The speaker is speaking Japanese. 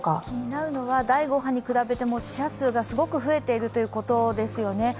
気になるのは第５波に比べて死者数が増えているということですよね。